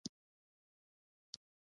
د موضوع مقدماتي درک ته ورنژدې شو.